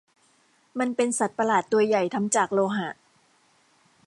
มันเป็นสัตว์ประหลาดตัวใหญ่ทำจากโลหะ